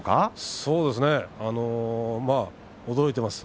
そうですね驚いていますよ。